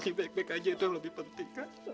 rani baik baik aja itu yang lebih penting kan